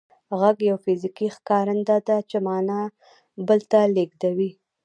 غږ یو فزیکي ښکارنده ده چې معنا بل ته لېږدوي